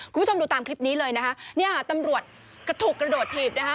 คุณผู้ชมดูตามคลิปนี้เลยนะคะเนี่ยตำรวจถูกกระโดดถีบนะคะ